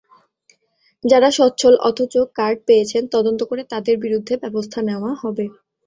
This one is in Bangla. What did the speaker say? যাঁরা সচ্ছল অথচ কার্ড পেয়েছেন, তদন্ত করে তাঁদের বিরুদ্ধে ব্যবস্থা নেওয়া হবে।